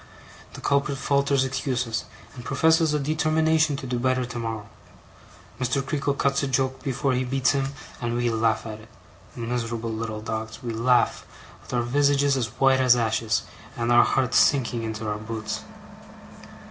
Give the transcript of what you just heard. The culprit falters excuses, and professes a determination to do better tomorrow. Mr. Creakle cuts a joke before he beats him, and we laugh at it, miserable little dogs, we laugh, with our visages as white as ashes, and our hearts sinking into our boots.